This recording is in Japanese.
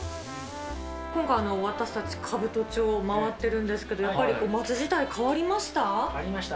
今回、私たち、兜町回ってるんですけど、やっぱり街自体、変わりました？